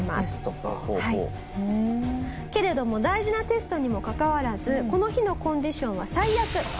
けれども大事なテストにもかかわらずこの日のコンディションは最悪。